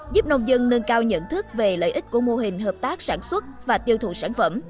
giúp nông dân nâng cao nhận thức về lợi ích của mô hình hợp tác sản xuất và tiêu thụ sản phẩm